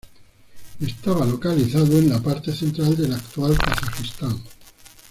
Estaba localizado en la parte central de la actual Kazajistán.